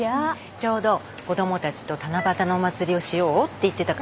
ちょうど子供たちと七夕のお祭りをしようって言ってたから。